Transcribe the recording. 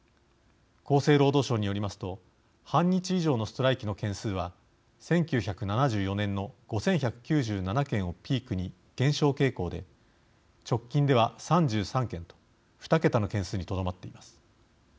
厚生労働省によりますと半日以上のストライキの件数は１９７４年の５１９７件をピークに減少傾向で直近では３３件と二桁の件数にとどまっています。